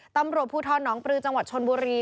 ตำรวจภูทรหนองปลือจังหวัดชนบุรี